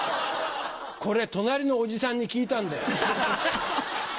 これ隣のおじさんに聞いたんだよ。